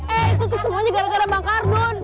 eh itu semuanya gara gara bang kardun